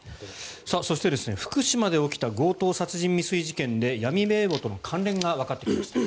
そして、福島で起きた強盗殺人未遂事件で闇名簿との関連がわかってきました。